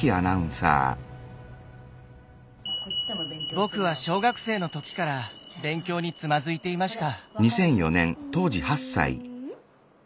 僕は小学生の時から勉強につまずいていました。